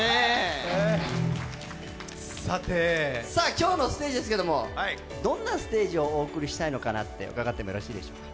今日のステージですけれども、どんなステージをお送りしたいのかなって、お伺いしてもよろしいですか？